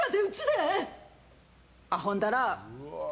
あほんだら！